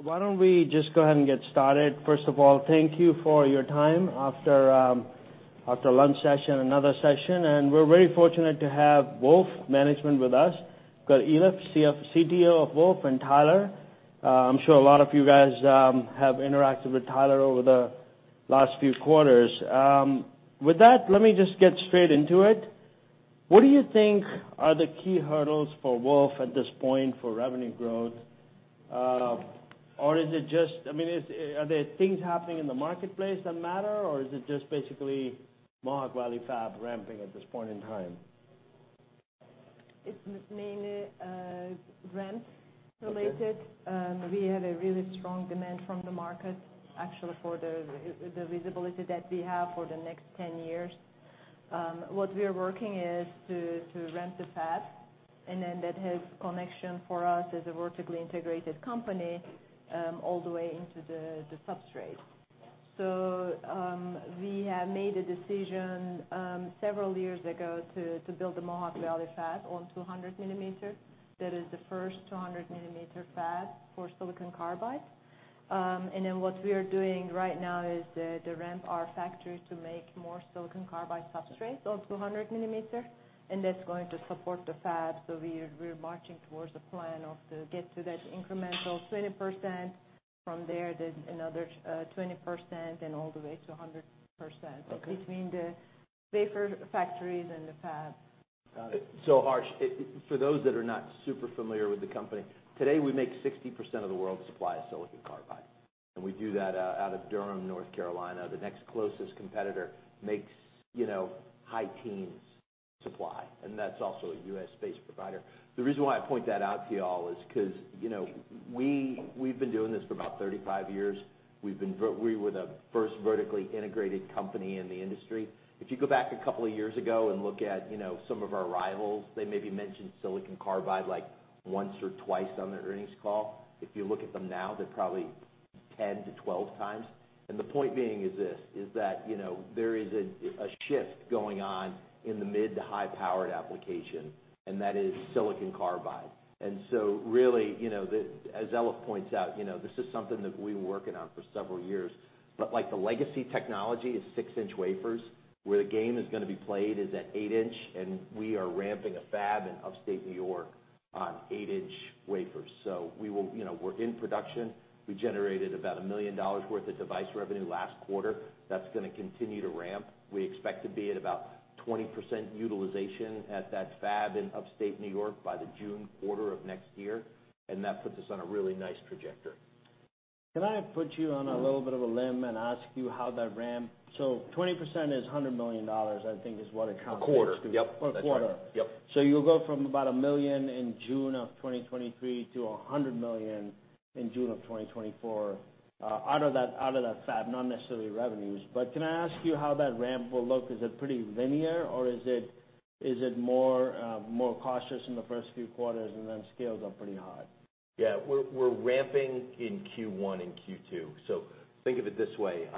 Okay, why don't we just go ahead and get started? First of all, thank you for your time after after lunch session, another session. We're very fortunate to have Wolfspeed with us. We've got Elif, CTO of Wolfspeed, and Tyler. I'm sure a lot of you guys have interacted with Tyler over the last few quarters. With that, let me just get straight into it. What do you think are the key hurdles for Wolfspeed at this point for revenue growth? Or is it just I mean, is, are there things happening in the marketplace that matter, or is it just basically Mohawk Valley Fab ramping at this point in time? It's mainly ramp related. We had a really strong demand from the market, actually, for the visibility that we have for the next 10 years. What we are working is to ramp the fab, and then that has connection for us as a vertically integrated company, all the way into the substrate. So, we have made a decision, several years ago to build the Mohawk Valley Fab on 200 mm. That is the first 200 mm fab for silicon carbide. And then what we are doing right now is to ramp our factory to make more silicon carbide substrates on 200 mm, and that's going to support the fab. So we're marching towards a plan of to get to that incremental 20%, from there, then another 20%, and all the way to 100%- Okay. -between the wafer factories and the fab. Got it. So Harsh, for those that are not super familiar with the company, today, we make 60% of the world's supply of silicon carbide, and we do that out of Durham, North Carolina. The next closest competitor makes, you know, high teens supply, and that's also a U.S.-based provider. The reason why I point that out to you all is because, you know, we've been doing this for about 35 years. We've been we were the first vertically integrated company in the industry. If you go back a couple of years ago and look at, you know, some of our rivals, they maybe mentioned silicon carbide like once or twice on their earnings call. If you look at them now, they're probably 10-12 times. The point being is this, you know, there is a shift going on in the mid to high-powered application, and that is silicon carbide. Really, you know, as Elif points out, you know, this is something that we've been working on for several years. Like the legacy technology is 6 in wafers. Where the game is gonna be played is at 8 in, and we are ramping a fab in upstate New York on 8 in wafers. We will, you know, we're in production. We generated about $1 million worth of device revenue last quarter. That's gonna continue to ramp. We expect to be at about 20% utilization at that fab in upstate New York by the June quarter of next year, and that puts us on a really nice trajectory. Can I put you on a little bit of a limb and ask you how that ramp... So 20% is $100 million, I think is what it translates to. A quarter. Yep. Per quarter. Yep. So you'll go from about $1 million in June of 2023 to $100 million in June of 2024, out of that, out of that fab, not necessarily revenues. But can I ask you how that ramp will look? Is it pretty linear, or is it, is it more, more cautious in the first few quarters and then scales up pretty high? Yeah. We're ramping in Q1 and Q2. So think of it this way,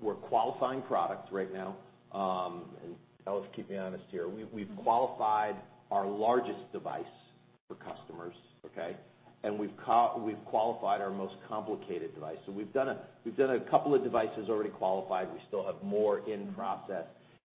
we're qualifying products right now, and Elif, keep me honest here. We've qualified our largest device for customers, okay? And we've qualified our most complicated device. So we've done a couple of devices already qualified. We still have more in process.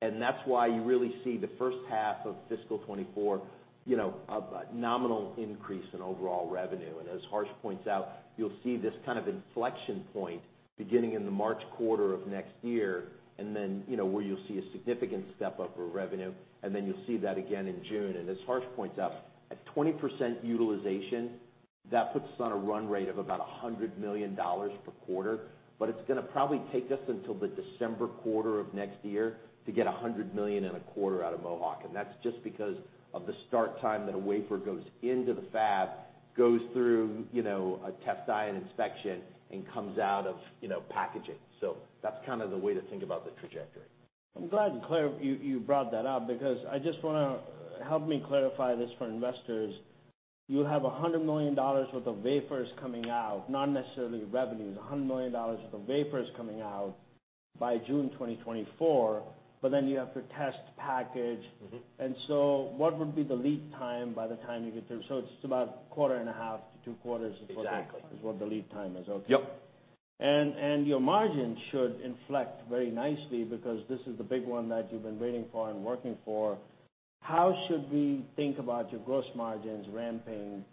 And that's why you really see the first half of fiscal 2024, you know, a nominal increase in overall revenue. And as Harsh points out, you'll see this kind of inflection point beginning in the March quarter of next year, and then, you know, where you'll see a significant step-up of revenue, and then you'll see that again in June. As Harsh points out, at 20% utilization, that puts us on a run rate of about $100 million per quarter, but it's gonna probably take us until the December quarter of next year to get $100 million in a quarter out of Mohawk. That's just because of the start time that a wafer goes into the fab, goes through, you know, a test die and inspection, and comes out of, you know, packaging. That's kind of the way to think about the trajectory. I'm glad you brought that up because I just wanna help me clarify this for investors. You have $100 million worth of wafers coming out, not necessarily revenues, $100 million worth of wafers coming out by June 2024, but then you have to test, package. Mm-hmm. What would be the lead time by the time you get through? It's about a quarter and a half to two quarters- Exactly. is what the lead time is. Okay. Yep. And your margin should inflect very nicely because this is the big one that you've been waiting for and working for. How should we think about your gross margins ramping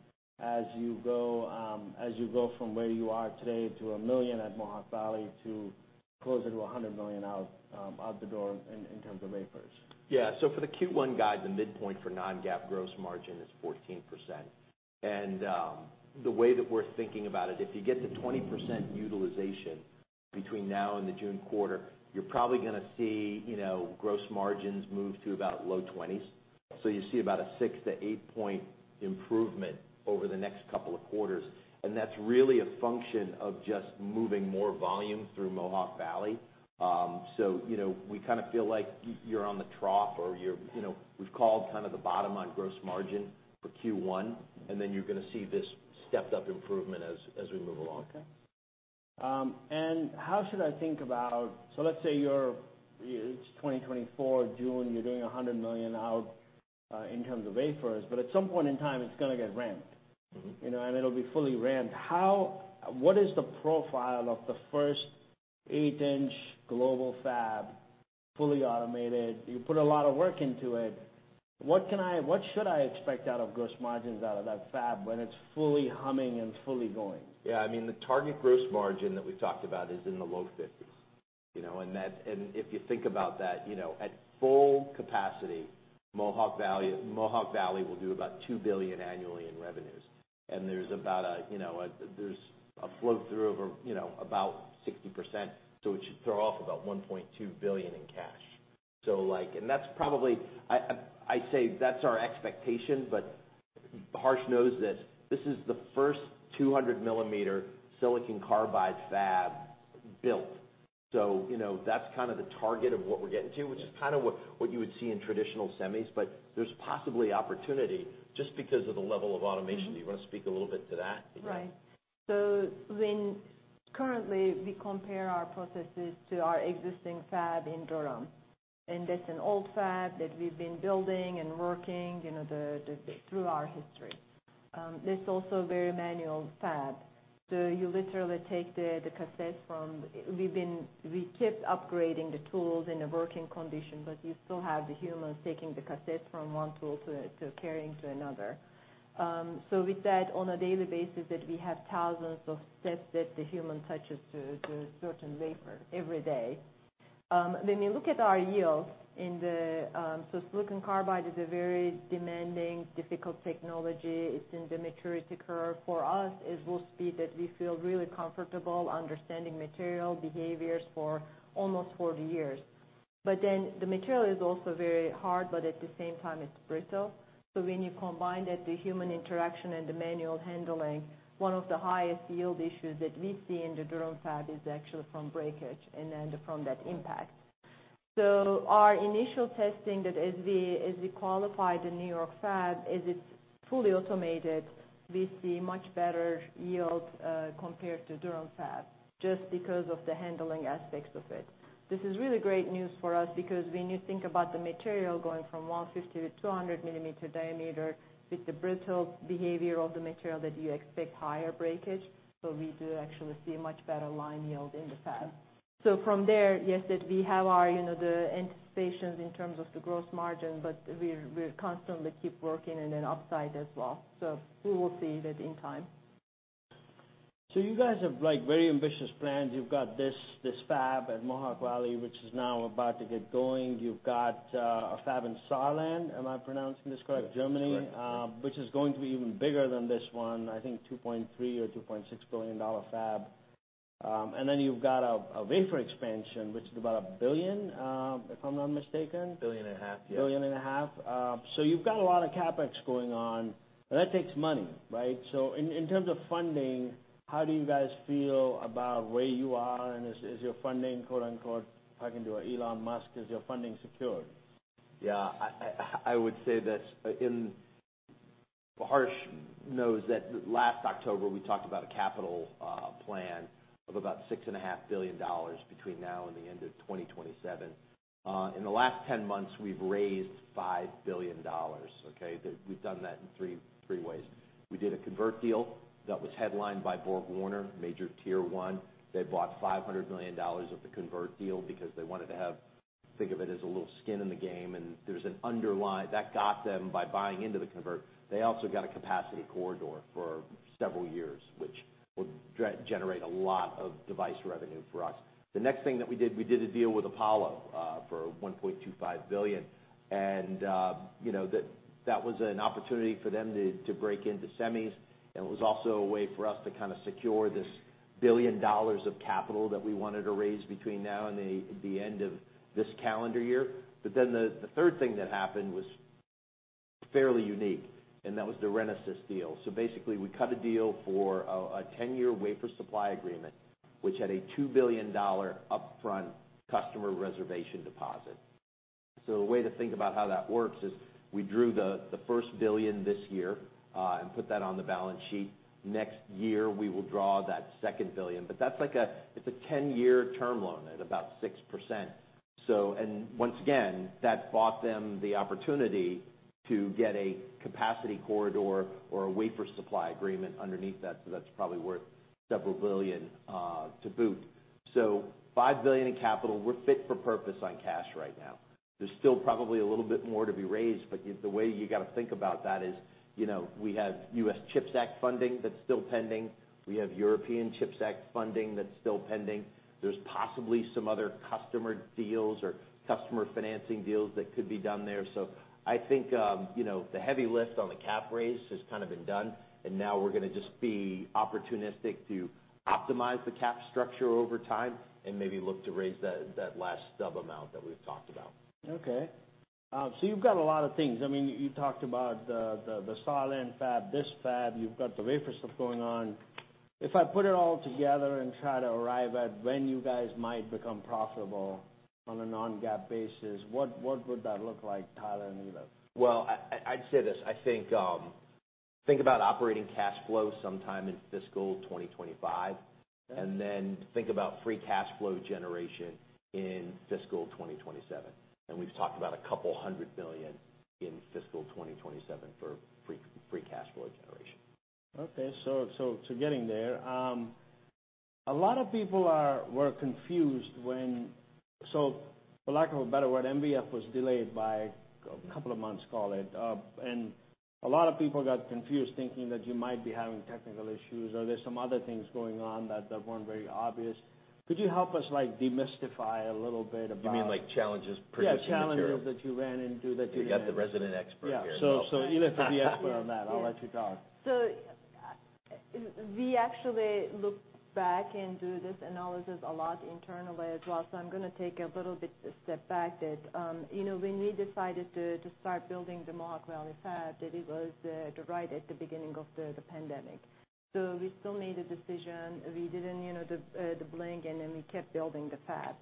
as you go, as you go from where you are today to $1 million at Mohawk Valley to closer to $100 million out, out the door in terms of wafers? Yeah. For the Q1 guide, the midpoint for non-GAAP gross margin is 14%. The way that we're thinking about it, if you get to 20% utilization between now and the June quarter, you're probably gonna see, you know, gross margins move to about low twenties. You see about a six to eight point improvement over the next couple of quarters, and that's really a function of just moving more volume through Mohawk Valley. You know, we kind of feel like you're on the trough or you're, you know, we've called kind of the bottom on gross margin for Q1, and then you're gonna see this stepped up improvement as we move along. Okay. And how should I think about-- Let's say you're, it's 2024, June, you're doing $100 million out, in terms of wafers, but at some point in time, it's gonna get ramped. You know, and it'll be fully ramped. What is the profile of the first 8 in global fab, fully automated? You put a lot of work into it. What should I expect out of gross margins out of that fab when it's fully humming and fully going? Yeah, I mean, the target gross margin that we talked about is in the low 50s%, you know. And that—and if you think about that, you know, at full capacity, Mohawk Valley, Mohawk Valley will do about $2 billion annually in revenues. And there's about, you know, a flow through of, you know, about 60%, so it should throw off about $1.2 billion in cash. So like... And that's probably, I, I'd say that's our expectation, but Harsh knows this. This is the first 200 mm silicon carbide fab built. So, you know, that's kind of the target of what we're getting to, which is kind of what you would see in traditional semis, but there's possibly opportunity just because of the level of automation. Do you want to speak a little bit to that? Right. So when currently we compare our processes to our existing fab in Durham, and that's an old fab that we've been building and working, you know, through our history. That's also a very manual fab. So you literally take the cassette from. We've been. We kept upgrading the tools in a working condition, but you still have the humans taking the cassette from one tool to carrying to another. So with that, on a daily basis, that we have thousands of steps that the human touches to a certain wafer every day. When we look at our yields in the. So silicon carbide is a very demanding, difficult technology. It's in the maturity curve. For us, it will be that we feel really comfortable understanding material behaviors for almost 40 years. But then the material is also very hard, but at the same time, it's brittle. So when you combine that, the human interaction and the manual handling, one of the highest yield issues that we see in the Durham fab is actually from breakage and then from that impact. So our initial testing that as we qualified the New York fab is it's fully automated; we see much better yield compared to Durham fab, just because of the handling aspects of it. This is really great news for us because when you think about the material going from 150 mm-200 mm diameter, with the brittle behavior of the material, that you expect higher breakage. So we do actually see a much better line yield in the fab. From there, yes, that we have our, you know, the anticipations in terms of the gross margin, but we're constantly keep working in an upside as well. So we will see that in time. So you guys have, like, very ambitious plans. You've got this, this fab at Mohawk Valley, which is now about to get going. You've got a fab in Saarland. Am I pronouncing this correct? Yes, correct. Germany, which is going to be even bigger than this one, I think $2.3 billion or $2.6 billion fab. Then you've got a wafer expansion, which is about $1 billion, if I'm not mistaken. $1.5 billion, yeah. $1.5 billion. So you've got a lot of CapEx going on, and that takes money, right? So in terms of funding, how do you guys feel about where you are, and is your funding, quote-unquote, talking to Elon Musk, "Is your funding secured? Yeah, I would say this: in Harsh knows that last October, we talked about a capital plan of about $6.5 billion between now and the end of 2027. In the last 10 months, we've raised $5 billion, okay? We've done that in three ways. We did a convert deal that was headlined by BorgWarner, major Tier 1. They bought $500 million of the convert deal because they wanted to have, think of it as a little skin in the game, and there's an underlying. That got them by buying into the convert. They also got a capacity corridor for several years, which will generate a lot of device revenue for us. The next thing that we did, we did a deal with Apollo for $1.25 billion. You know, that was an opportunity for them to break into semis, and it was also a way for us to kind of secure this $1 billion of capital that we wanted to raise between now and the end of this calendar year. But then the third thing that happened was fairly unique, and that was the Renesas deal. So basically, we cut a deal for a 10-year wafer supply agreement, which had a $2 billion upfront customer reservation deposit. So a way to think about how that works is we drew the first $1 billion this year and put that on the balance sheet. Next year, we will draw that second $1 billion, but that's like a, it's a 10-year term loan at about 6%. Once again, that bought them the opportunity to get a capacity corridor or a wafer supply agreement underneath that, so that's probably worth several billion, to boot. So $5 billion in capital, we're fit for purpose on cash right now. There's still probably a little bit more to be raised, but you- the way you gotta think about that is, you know, we have U.S. Chips Act funding that's still pending. We have European Chips Act funding that's still pending. There's possibly some other customer deals or customer financing deals that could be done there. I think, you know, the heavy lift on the cap raise has kind of been done, and now we're gonna just be opportunistic to optimize the cap structure over time and maybe look to raise that, that last stub amount that we've talked about. Okay. So you've got a lot of things. I mean, you talked about the Saarland fab, this fab, you've got the wafer stuff going on. If I put it all together and try to arrive at when you guys might become profitable on a non-GAAP basis, what would that look like, Tyler and Elif? Well, I'd say this: I think. Think about operating cash flow sometime in fiscal 2025, and then think about free cash flow generation in fiscal 2027. We've talked about $200 million in fiscal 2027 for free cash flow generation. Okay. So getting there. A lot of people were confused when—So for lack of a better word, MVF was delayed by a couple of months, call it. And a lot of people got confused thinking that you might be having technical issues, or there's some other things going on that weren't very obvious. Could you help us, like, demystify a little bit about— You mean, like challenges purchasing the material? Yeah, challenges that you ran into that you- You got the resident expert here. Yeah. So, you know, to the expert on that, I'll let you talk. We actually looked back into this analysis a lot internally as well. I'm gonna take a little bit step back that, you know, when we decided to start building the Mohawk Valley Fab, it was right at the beginning of the pandemic. We still made a decision. We didn't, you know, blink, and then we kept building the fab.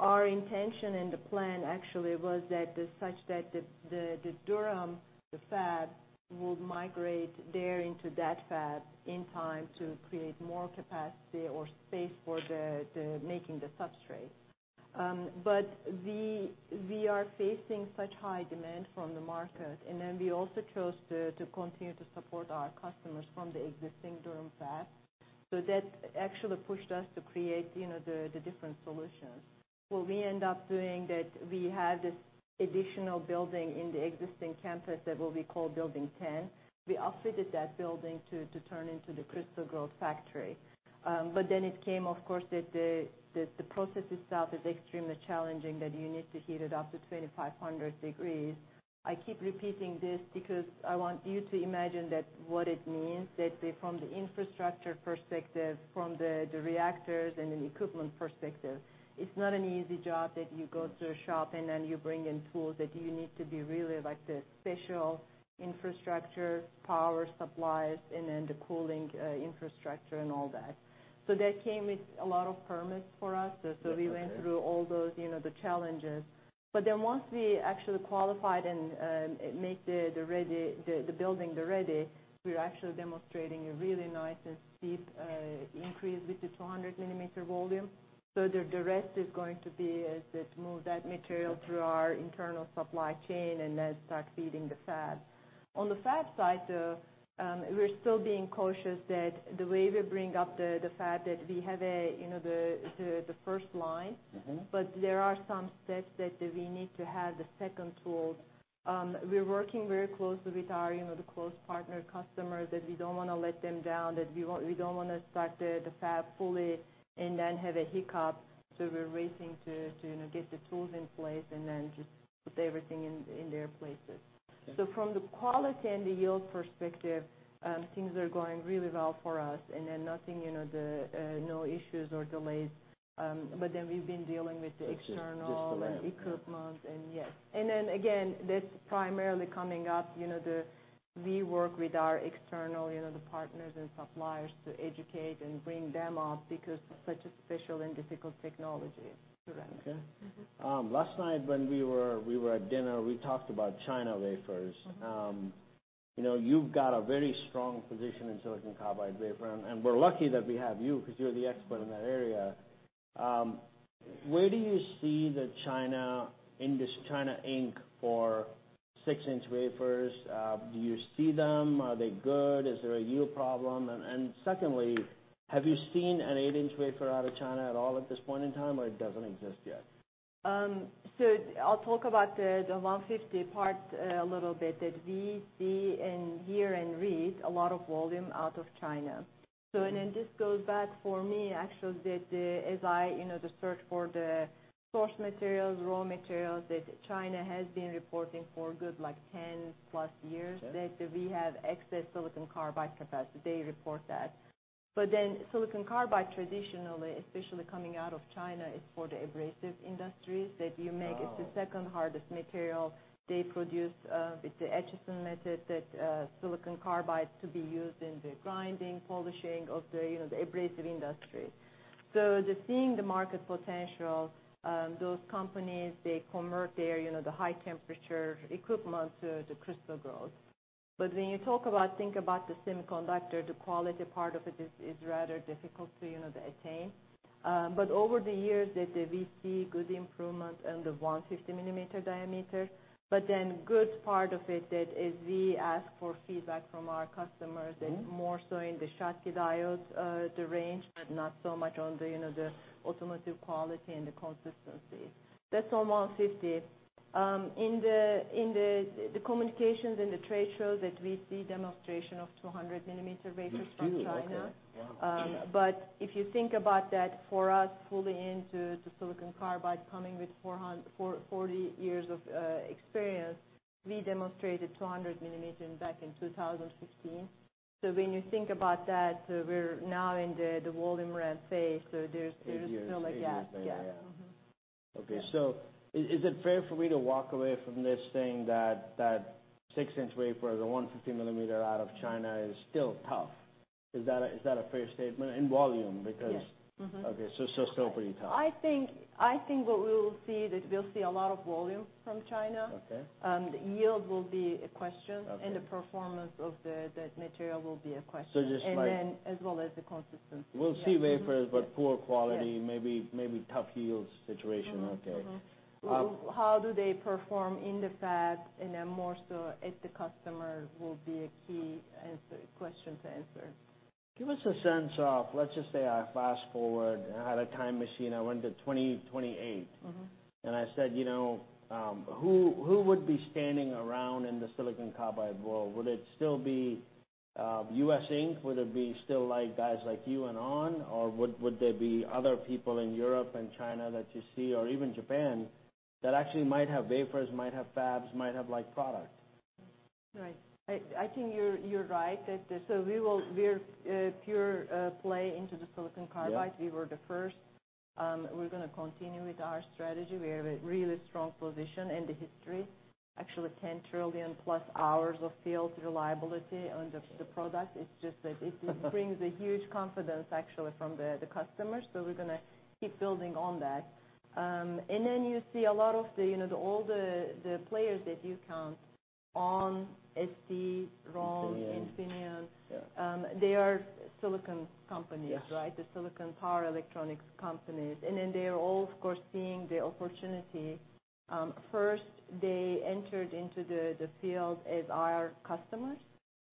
Our intention and the plan actually was that the Durham fab would migrate there into that fab in time to create more capacity or space for making the substrate. We are facing such high demand from the market, and then we also chose to continue to support our customers from the existing Durham fab. That actually pushed us to create, you know, the different solutions. What we end up doing is that we have this additional building in the existing campus that will be called Building 10. We outfitted that building to turn into the crystal growth factory. But then it came, of course, that the process itself is extremely challenging, that you need to heat it up to 2,500 degrees. I keep repeating this because I want you to imagine what it means, that from the infrastructure perspective, from the reactors and the equipment perspective, it's not an easy job that you go to a shop and then you bring in tools that you need to be really like the special infrastructure, power supplies, and then the cooling infrastructure and all that. So that came with a lot of permits for us. So we went through all those, you know, the challenges. But then once we actually qualified and make the ready building ready, we're actually demonstrating a really nice and steep increase with the 200 mm volume. So the rest is going to be, as it move that material through our internal supply chain and then start feeding the fab. On the fab side, we're still being cautious that the way we bring up the fab, that we have a, you know, the first line. Mm-hmm. But there are some steps that we need to have the second tools. We're working very closely with our, you know, the close partner customers, that we don't wanna let them down, that we want—we don't wanna start the fab fully and then have a hiccup. So we're racing to get the tools in place and then just put everything in their places. So from the quality and the yield perspective, things are going really well for us, and then nothing, you know, no issues or delays, but then we've been dealing with the external. Yes. And then again, that's primarily coming up, you know. We work with our external partners and suppliers to educate and bring them up because it's such a special and difficult technology to run. Okay. Last night, when we were at dinner, we talked about China wafers. You know, you've got a very strong position in silicon carbide wafer, and we're lucky that we have you, because you're the expert in that area. Where do you see the China in this China Inc. for 6 in wafers? Do you see them? Are they good? Is there a yield problem? And, secondly, have you seen an eight-inch wafer out of China at all at this point in time, or it doesn't exist yet? So I'll talk about the 150 part a little bit, that we see and hear and read a lot of volume out of China. So and then this goes back for me, actually, that, as I, you know, the search for the source materials, raw materials, that China has been reporting for a good, like, 10+ years that we have excess silicon carbide capacity. They report that. But then silicon carbide traditionally, especially coming out of China, is for the abrasive industries, that you make. It's the second hardest material. They produce with the Acheson method that silicon carbide to be used in the grinding, polishing of the, you know, the abrasive industry. So seeing the market potential, those companies, they convert their, you know, the high temperature equipment to the crystal growth. But when you talk about, think about the semiconductor, the quality part of it is rather difficult to, you know, to attain. But over the years, that we see good improvement in the 150 mm diameter, but then good part of it, that is we ask for feedback from our customers and more so in the Schottky diodes, the range, but not so much on the, you know, the automotive quality and the consistency. That's on 150 mm. In the communications and the trade shows that we see demonstration of 200 mm wafers from China. But if you think about that, for us, fully into the silicon carbide, coming with 40 years of experience, we demonstrated 200 mm back in 2016. So when you think about that, we're now in the volume ramp phase, so there's- Eight years. Still a gap. Eight years later, yeah. Mm-hmm. Okay. So is it fair for me to walk away from this saying that 6 in wafer, the 150 mm out of China, is still tough? Is that a fair statement? In volume, because- Yes. Mm-hmm. Okay, so still pretty tough. I think, I think what we will see, that we'll see a lot of volume from China. Okay. The yield will be a question- Okay. and the performance of the material will be a question. So just like- And then as well as the consistency. We'll see wafers, but poor quality. Yes. Maybe, maybe tough yield situation. Mm-hmm. Mm-hmm. Okay. Um- How do they perform in the fab, and then more so at the customer will be a key question to answer. Give us a sense of, let's just say I fast-forward, I had a time machine, I went to 2028. Mm-hmm. I said, you know, who would be standing around in the silicon carbide world? Would it still be Cree, Inc.? Would it be still like guys like you and onsemi, or would there be other people in Europe and China that you see, or even Japan, that actually might have wafers, might have fabs, might have, like, product? Right. I think you're right, that the— So we're pure play into the silicon carbide. Yeah. We were the first. We're gonna continue with our strategy. We have a really strong position in the history, actually, 10 trillion+ hours of field reliability on the product. It's just that it brings a huge confidence actually from the customers, so we're gonna keep building on that. And then you see a lot of the, you know, the players that you count on, ST, ROHM, Infineon. Yeah. They are silicon companies- Yes. Right? The silicon power electronics companies. And then they are all, of course, seeing the opportunity. First, they entered into the field as our customers,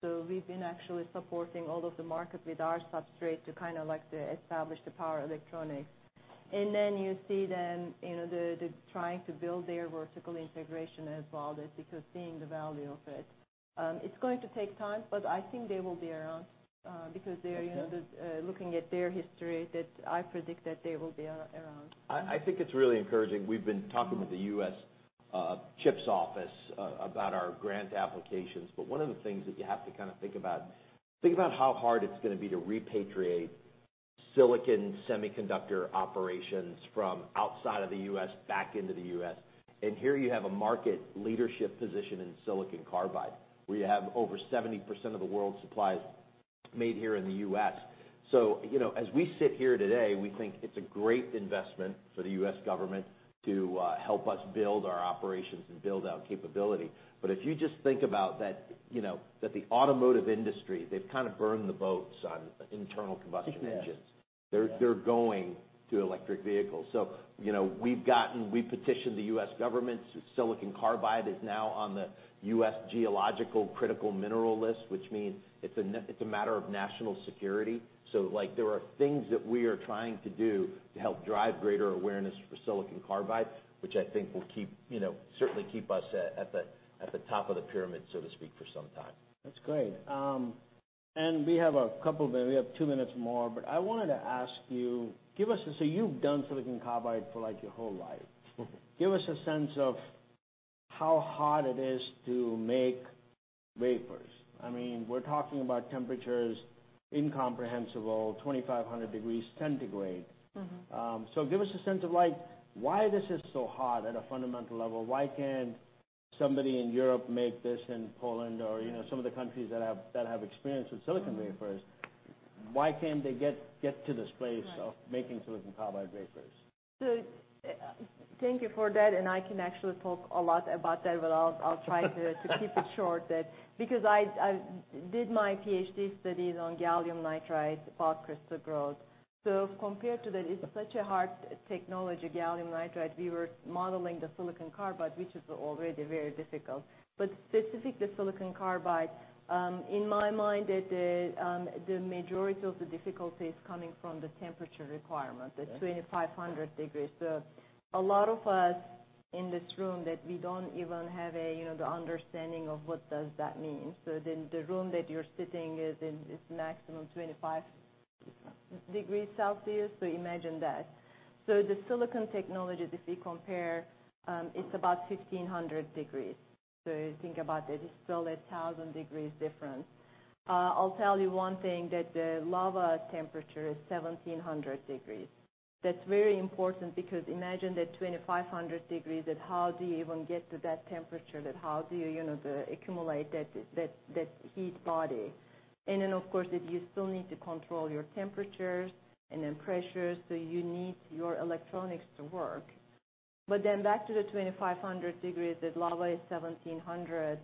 so we've been actually supporting all of the market with our substrate to kind of like to establish the power electronics. And then you see them, you know, trying to build their vertical integration as well, just because seeing the value of it. It's going to take time, but I think they will be around, because they're you know, the looking at their history, that I predict that they will be around. I think it's really encouraging. We've been talking with the U.S. CHIPS office about our grant applications. But one of the things that you have to kind of think about how hard it's gonna be to repatriate silicon semiconductor operations from outside of the U.S. back into the U.S. And here you have a market leadership position in silicon carbide, where you have over 70% of the world's supply made here in the U.S. So, you know, as we sit here today, we think it's a great investment for the U.S. government to help us build our operations and build our capability. But if you just think about that, you know, that the automotive industry, they've kind of burned the boats on internal combustion engines. They're going to electric vehicles. So you know, we've gotten—we petitioned the U.S. government. Silicon carbide is now on the U.S. geological critical mineral list, which means it's a matter of national security. So like, there are things that we are trying to do to help drive greater awareness for silicon carbide, which I think will keep, you know, certainly keep us at the top of the pyramid, so to speak, for some time. That's great. And we have a couple of... We have two minutes more, but I wanted to ask you, give us, so you've done silicon carbide for, like, your whole life. Give us a sense of how hard it is to make wafers. I mean, we're talking about temperatures incomprehensible, 2,500 degrees centigrade. Mm-hmm. So, give us a sense of like, why this is so hard at a fundamental level. Why can't somebody in Europe make this, in Poland or you know, some of the countries that have experience with silicon wafers, why can't they get to this place of making silicon carbide wafers? So thank you for that, and I can actually talk a lot about that, but I'll try to keep it short. That's because I did my Ph.D. studies on gallium nitride bulk crystal growth. So compared to that, it's such a hard technology, gallium nitride. We were modeling the silicon carbide, which is already very difficult. But specifically, silicon carbide, in my mind, it is the majority of the difficulty is coming from the temperature requirement the 2,500 degrees. So a lot of us in this room, that we don't even have a, you know, the understanding of what does that mean. So then, the room that you're sitting in is maximum 25 degrees Celsius, so imagine that. So the silicon technology, if we compare, it's about 1,500 degrees. So think about that. It's still a 1,000 degrees difference. I'll tell you one thing, that the lava temperature is 1,700 degrees. That's very important because imagine that 2,500 degrees, that how do you even get to that temperature? That how do you, you know, the accumulate that, that, that heat body? And then, of course, that you still need to control your temperatures and then pressures, so you need your electronics to work. But then back to the 2,500 degrees, that lava is 1,700.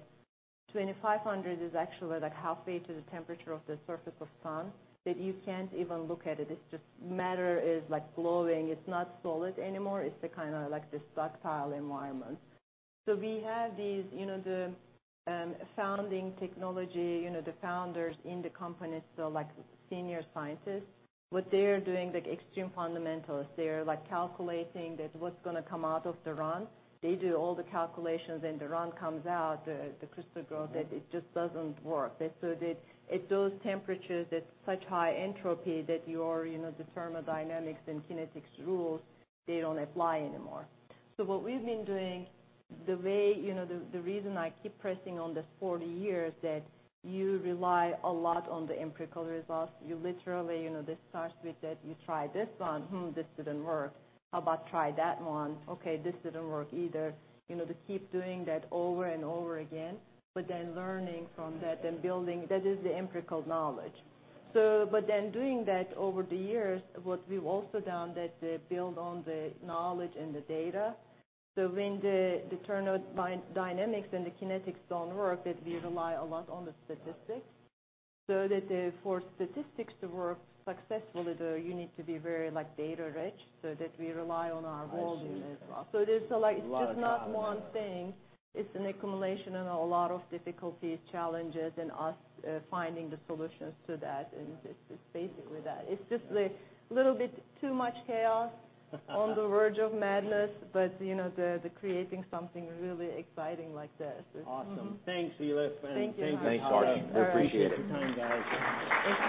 2,500 is actually like halfway to the temperature of the surface of the Sun, that you can't even look at it. It's just matter is, like, glowing. It's not solid anymore. It's a kind of like this ductile environment. So we have these, you know, the, founding technology, you know, the founders in the company, so like senior scientists. What they are doing, the extreme fundamentals, they are like calculating that what's gonna come out of the run. They do all the calculations, and the run comes out, the, the crystal growth that it just doesn't work. And so, at those temperatures, it's such high entropy that your, you know, the thermodynamics and kinetics rules, they don't apply anymore. So what we've been doing, the way... You know, the, the reason I keep pressing on this 40 years, that you rely a lot on the empirical results. You literally, you know, this starts with that, you try this one. Hmm, this didn't work. How about try that one? Okay, this didn't work either. You know, they keep doing that over and over again, but then learning from that then building, that is the empirical knowledge. So, but then doing that over the years, what we've also done, that they build on the knowledge and the data. So when the, the thermodynamics and the kinetics don't work, that we rely a lot on the statistics. So, for statistics to work successfully, though, you need to be very, like, data rich, so that we rely on our raw data as well. I see. So there's like- A lot of data.... it's just not one thing. It's an accumulation and a lot of difficulties, challenges, and us finding the solutions to that. It's basically that. It's just a little bit too much chaos on the verge of madness, but you know, the creating something really exciting like this. Awesome. Mm-hmm. Thanks, Elif. Thank you. Thanks, Tyler. Thanks, Harsh. We appreciate it. Thanks for your time, guys. Thank you.